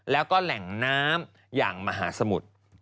แล้วก็แหล่งน้ำอย่างมหาสมุทร